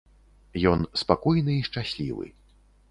Ён спакойны і шчаслівы.